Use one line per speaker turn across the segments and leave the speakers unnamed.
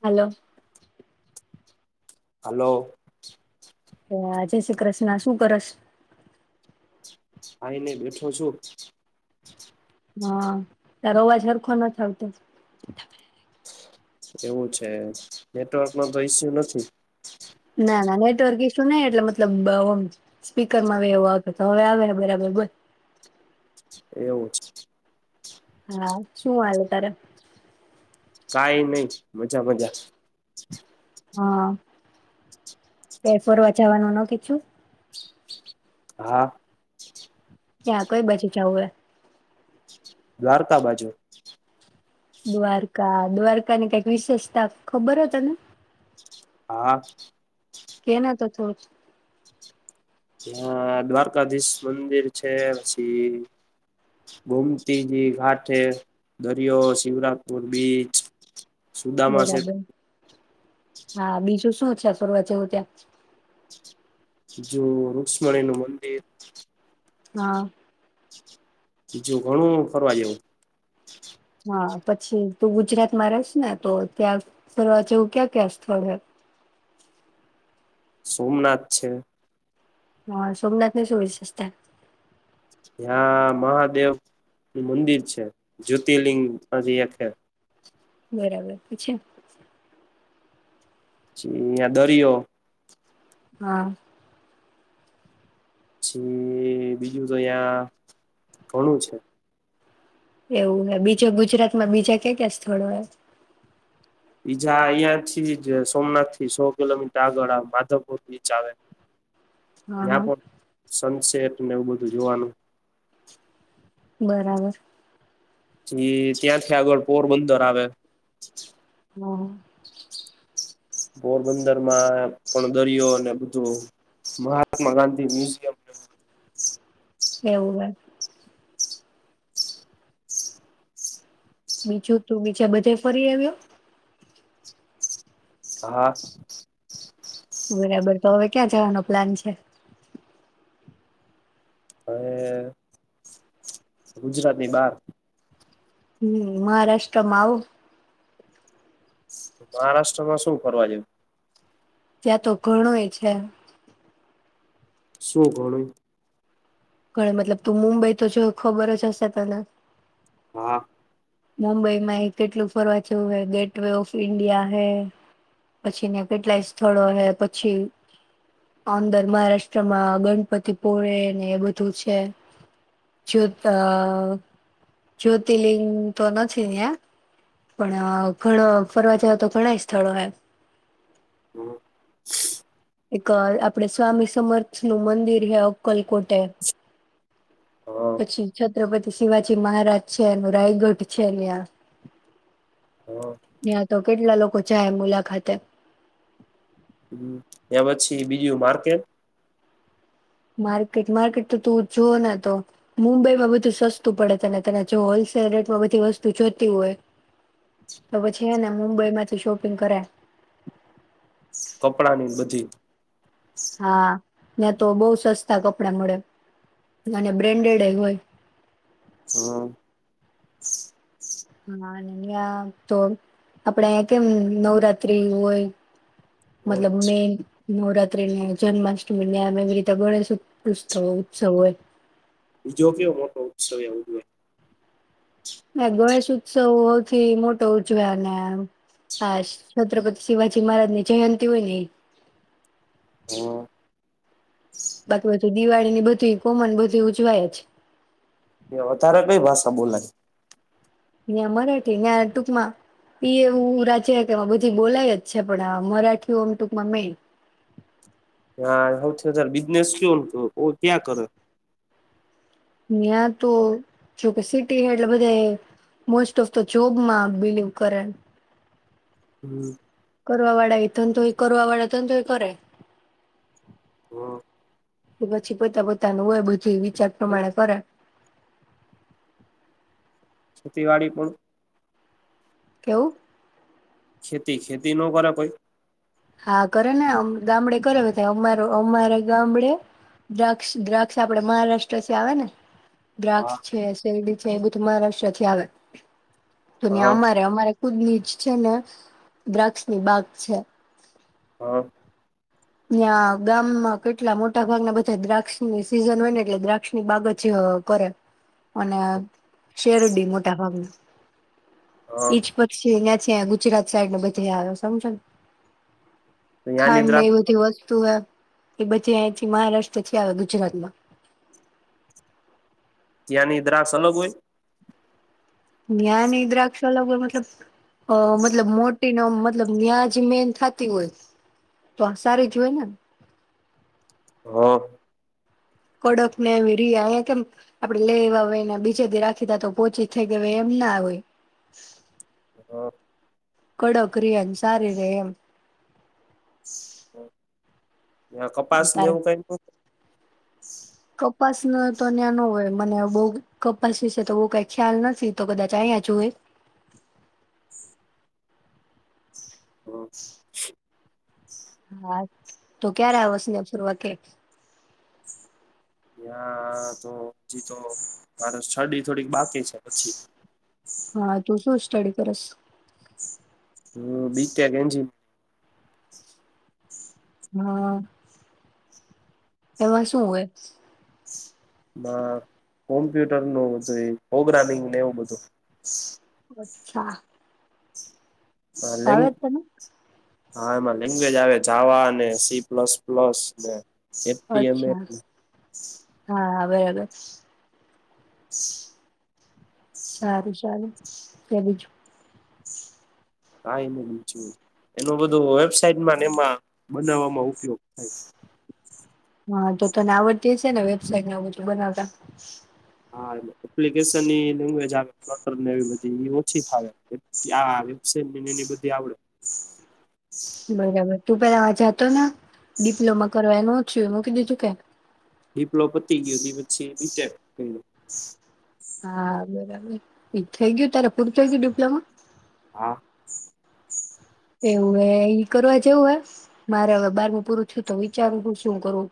Hello.
Hello.
હા જય શ્રી કૃષ્ણ શું કરશ.
ખાઈને બેઠો છું.
હા તાર [unintelligible]
એવું છે નેટવર્કમાં તો ઈસ્યુ નથી.
ના ના નેટવર્ક ઈસ્યુ નઈ એટલે મતલબ સ્પીકરમાં એવો આવે તો હવે આવે બરાબર બોલ.
એવું.
હા છું આલું તારે.
કઈ નઈ મજા મજા.
હા [unintelligible]
હા.
ત્યા કોઈ બાજુ જવું હે.
દ્વારકા બાજુ.
દ્વારકા, દ્વારકા ની કઈક વિશેષતા ખબર હો તને?
હા.
કેના તો થોડુંક.
ત્યાં દ્વારકાધીશ મંદિર છે પછી ગોમતીજી ઘાટ, દરિયો શિવરાજપુર બીચ સુદામા છે
બરાબર, હા બીજું શું? ત્યાં ફરવા જવું ત્યાં
જો રુક્ષ્મણી નું મંદિર
હા.
બીજું ઘણું ફરવા જેવું.
હા પછી તું ગુજરાતમાં રહેસ ને તો ત્યાં ફરવા જેવું ક્યાં ક્યા સ્થળ હે.
સોમનાથ છે.
હા સોમનાથની શું વિશેષતા
હ્યાં મહાદેવ નું મંદિર છે, જ્યોતિર્લિંગ માંથી એકે-
બરાબર, પછી.
પછી દરિયો
હા.
પછી બીજું તો અહીંયા ઘણું છે.
એવું ને બીજો ગુજરાત માં બીજા કે કયા કયા સ્થળ હોય?
બીજા અહિયાં થી જ સોમનાથ થી સો કિલોમીટર આગળ માધવપુર બીચ આવે.
હા હા
યા પોર સન્સ પેટ ને એવું બધું જોવાનું
બરાબર.
પછી ત્યાંથી આગળ પોરબંદર આવે.
હાં.
પોરબંદર માં પણ દરિયો અને બધું મહાત્મા ગાંધી મ્યુઝિયમ
એવું એમ. બીજું તું બીચે બધે ફરી આવ્યો.
હાં.
બરાબર તો હવે ક્યાં જવાનો પ્લાન છે.
હવે ગુજરાતની બાર.
હમ મહારાષ્ટ્રમાં આવું!
મહારાષ્ટ્રમાં શું ફરવા જેવું?
ત્યાં તો ઘણુંય છે.
શું ઘણુંય?
ક મતલબ તું મુુંબઈ તો જો ખબર જ હશે તને!?
હાં.
મુંબઈમાં એ કેટલું ફરવા જયું હે, ગેટ વ ઓફ ઈન્ડિયા હે, પછીં કેટલાય સ્થળો હે, પછી અંદર મહારાષ્ટ્રમાં ગણપતિપુળ ને એ બધું છે, જ જ્યોતિલિંગ તો નથી, પણ ઘણા ફરવા જેવાં તો ઘણા સ્થળો હે.
હ
એક આપડે સ્વામી સમર્થ નું મંદિર હ અક્કલકોટે, પછી છત્રપતિ શિવાજી મહારાજ છે, એનું રાયગઢ છે, ત્યાં
હ
એ તો કેટલા લોકો જાય મુલાકાતે.
ત્યા પછી બીજું માર્કેટ‌?
માર્કેટ માર્કેટ તો તું જોવ ને તો મુંબઈમાં બધું સસ્તું પડે તને તને, જો હોલસેલ રેટમાં બધી વસ્તુ જોતી હોય તો, પછી એને મુંબઈમાંથી શોપિંગ કરાય.
કપડાંની બધી
હાં. ને તો બહુ સસ્તા કપડા મળે, અને બ્રેન્ડેડ હોય.
હાં.
હાં તો આપડે અહીં કેમ નવરાત્રી હોય! મતલબ મેન નવરાત્રીને, જન્માષ્ટમીને એવી રીતે ગણેશ ઉત્વ ઉત્સવ હોય.
બીજો કયો મોટો ઉત્સવ એવો જોઈએ?
ના ગણેશ ઉત્સવ સૌથી મોટો ઉજવે, અને આ છત્રપતિ શિવાજી મહારાજની જયંતિ હોય ને ઈ.
હાં.
બાકી બધું દિવાળી ની બધી કોમન બધું ઉજવાય છે.
એ વધારે કઈ ભાષા બોલાય?
ત્યાં મરાઠી ત્યાં ટૂંકમાં એ એવું રાજ્ય કે એમાં બધી બોલાય જ છે, પણ આ મરાઠી ટૂંકમાં મેન.
હાં સૌથી વધારે બિઝનેસ કયો ત્યાં કરે?
ત્યા તો જોકે સિટી એટલે બધ મોસ્ટ ઓફ ધ જોબમાં બિલીવ કરે.
હમ્મ
કરવાવાળ તું કરવા વાળ તો તું કરે.
હા
પછી પોતા પોતાનું હોય બધી ક પ્રમાણે કરે
ખેતીવાડી પણ
કેવું?
ખેતી ખેતી ન કરે કોઈ?
હા કરે ને ગામડે કરે બધા અમા અમારે ગામડે દ્રાક્ષ દ્રાક્ષ આપડે મહારાષ્ટ્ર છે આવે ને દ્રાક્ષ
હા
છે. એ બું તો મહારાષ્ટ્રથી આવે દુનિયા
હા
અમારે અમારે કૂદનીજ છે ને દ્રાક્ષની બાગા છે. હ
હા
્યાં ગામમાં કેટલા મોટા ભાગના બધા દ્રાક્ષની સિઝન હોય ને એટલે દ્રાક્ષની બાગચી કરે અને શેરડી મોટા ભાગની.
હા
જ પક્ષી. પછ ગુજરાત સાઈડને બધી આવ્યો સમજો ને.
યા
ખાંડ ને એ
નિદ્રાાસ.
બધી વસ્તુ એ બધી અથી મહારાષ્ટ્રથી આવે ગુજરાતમાં.
ત્યાંની દ્રક્ષ અલગ હોય.
નિયનેદ્રાક. ચલો મતલબ મતલબ મોટી ન મતલબ ન્યાજ મેન થતી હોય તો આ સારી જ હોય ને.
હા.
કડક ને એવી ર અહીયા કેમ આપડે લેવા હોયને બીજેથીી રાખી તા તો પોહચી થઈ ગયા હો એમ ના હોય.
હા.
કડો ક્રિયન સારી રે એમ.
[inaudible] હ કપાસ
તારે
નેવું કઈ. [inaudible]
કપાસ ન તો ન્યા ન હોય મને બહ કપાસ વિશે તો બહ કઈ ખ્યાલ નથી તો કદાચ અયા જુય.
હમ.
હા તું ક્યારે આવસને અ પરવાખ.
હ્યા તો હજી તો મારે શરડી થોડીક બાકી છે પછી.
હા તું શું સ્ટડી કરસ.
હમ બીક્યા કેંજી.
હા એમાં શું હોય.
માં હોમેથેત્રે નુ બધું ને એવું બધું.
[unintelligible]
હ લેં.
ફાવે જ તને
હા, એમાં લેંગ્વેજ આવે જાવા અને સી પ્લસ પ્લસ ને એફ ડી માં
અચ્છા
એ.
હા બરાબર. [inaudible] સારું ચારું ત બીજું.
કાય ન બીચું એનું બધું વેબસાઈટમાં એમાં બનાવવામાં ઉપયોગ થાય.
હા, તો તને આવડતી છે ને વેબસાઇટને બધું બનાવતા.
હા, એપ્લિકેશન ની લેંગ્વેજ આવે. ટર ને એવી બધી એ ઓછી ફાવે. આ વેબસાઇટ એની બધી આવડે.
બરાબર. તું પેલા જાતો ને ડિપ્લોમા કરવા એનું હું થીયુ મૂકી દીધું કે?
ડીપ્લો પતી ગયુધ પછી [unintelligible]
હા, બરાબર એ થઇ ગયું ત્યારે પૂરું થઇ ગયું ડિપ્લોમા.
હા.
એવું એ કરવા જેવું હ મારે હવે બારમું પૂરું છુ તો વિચારું હું શું કરું.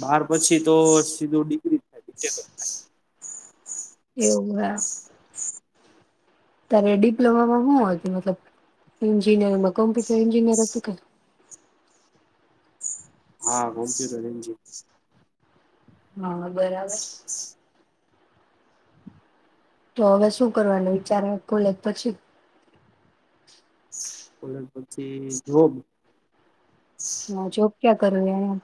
બાર પછી તો સીધુ ડિગ્રી [unintelligible]
એવું [unintelligible] ત્યારે ડિપ્લોમામાં હું મતલબ એન્જિનિયરમાં કોમ્પપિસ એ એન્જિનિયર અતુ કે.
હા, ગુમતી [unintelligible]
હા. બરાબર. તો હવે શું કરવાનું વિચાર હ કોલેજ પછી?
કોલેજ પ [unintelligible]
હા, જોબ ક્યા કર રહા હાય.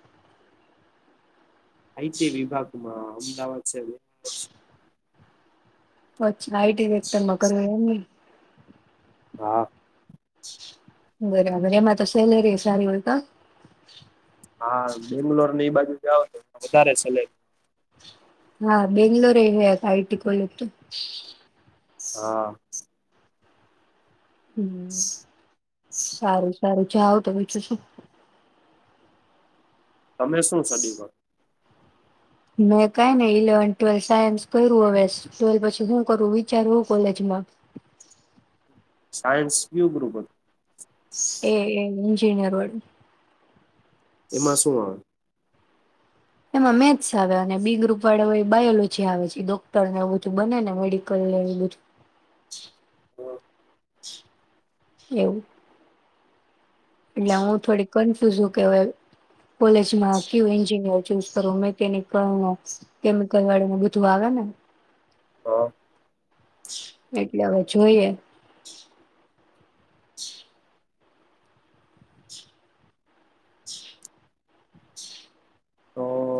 આઈ ટી વિભાગમાં અમદાવાદ છે ને.
[unintelligible] [unintelligible]
હા.
બરાબર એમાં તો સેલરી સારી હોય ત.
હા, બેંગ્લોર ને એ બાજુ જાઓ તો વધારે સલેરી.
હા, બેંગલુરે આઈ ટટી કોલેજ. તો [inaudible]
હા.
હમ્મ સારું સારું. જાઓ તો બીજું શું.
તમે શું.
મેં કઈ ને ઇલેવન ટ્વેલ સાયન્સ કર્યું હવે ટ્વેલ પછી શું કરું વિચારવું કોલેજમાં.
સાયન્સ બરોબર.
એ એ. [unintelligible]
એમાં શું આવે?
એમાં મેથ્સ આવે અને બી ગ્રુપ વાળા બાયોલોજી આવે છે ડોક્ટરને એવું બધું બને ને મેડિકલ ને. એવું. એટલે હું થોડી કન્ફ્યુઝ હો કેવાઈ કોલેજમાં કિયુ એન્જિનયર ચૂસ કરું, મેકેનિકલનો કેમિકલવાળાનું બધું આવે ને.
હા
[unintelligible] એ હવે જોઈએ.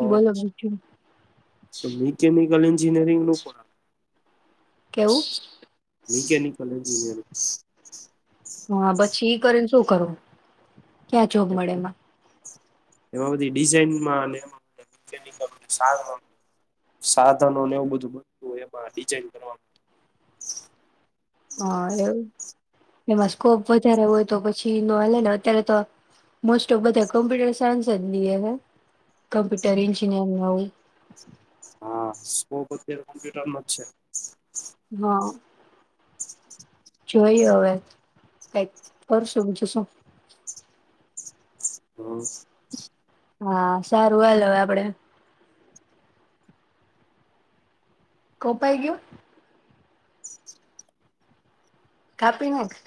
બોલો ભાઈ.
સો મેકેમી [unintelligible] એન્જિનિયરિંગ નો પણ આવે.
કેવું.
Mechanical engineering.
હા પછી કરીને ઈ શું કરવું? ક્યાં જોગ મળે એમાં?
એમાં બધી ડિઝઇનમાં ને [inaudible] સાધનોને એવું બધું બનતું હો એમાં ડિઝઇન કરવા.
હા એવું એમાં સ્કોપ વધારે હોય તો પછી નહાલે ને અત્યારે તો મોસ્ટ ઓફ બધા કમ્પ્યુટર સાયન્સ જ લિએ કમ્પ્યુટર એન્જિનિયરિંગ આવું.
હા સ્કોપ અત્યારે કોમ્પ્યુટર મ જ છે.
હા. જોઈએ હવે કઈક કરશું બીજું શું.
હમ્મ.
હા સારું હાલો હવે આપડે. કોપાય ગીયુ. કાપીનાખ.